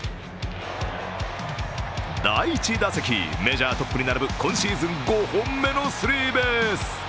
第１打席、メジャートップに並ぶ今シーズン５本目のスリーベース。